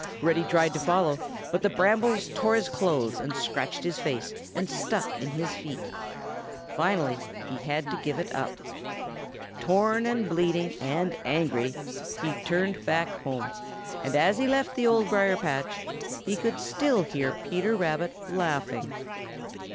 Reddy tried to follow, but the brambles tore his clothes and scratched his face and stuck in his feet. Finally he had to give it up. Tom and bleeding and angry, he tinned back home, and as he left the Old Briar patch, he could still hear Peter Rabbit laughing. XI.